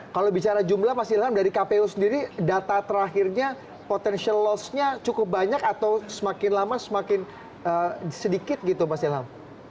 kalau bicara jumlah pak silham dari kpu sendiri data terakhirnya potensial loss nya cukup banyak atau semakin lama semakin sedikit gitu pak silham